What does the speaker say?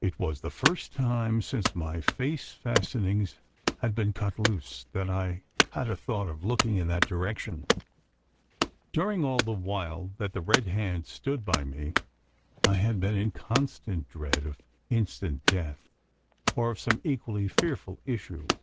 It was the first time since my face fastenings had been cut loose, that I had a thought of looking in that direction. During all the while that the Red Hand stood by me, I had been in constant dread of instant death or of some equally fearful issue.